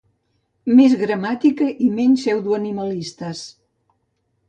Més gramàtica i menys pseudoanimalistes